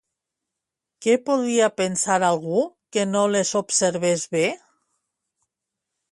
Què podria pensar algú que no les observés bé?